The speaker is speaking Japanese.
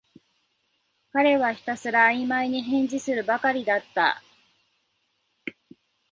彼はひたすらあいまいに返事するばかりだった